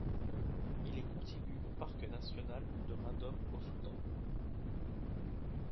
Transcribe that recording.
Il est contigu au Parc national de Radom au Soudan.